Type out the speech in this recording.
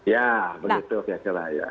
ya begitu kira kira ya